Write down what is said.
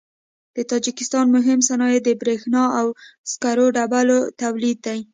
د تاجکستان مهم صنایع د برېښنا او سکرو ډبرو تولید دی.